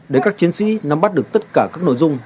để các chiến sĩ nắm bắt được tất cả các nội dung